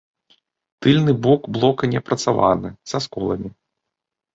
Тыльны бок блока неапрацаваны, са сколамі.